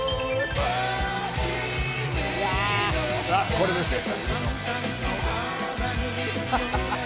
これですね。